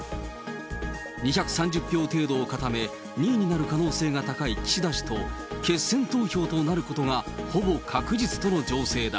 ２３０票程度を固め、２位になる可能性が高い岸田氏と決選投票となることがほぼ確実との情勢だ。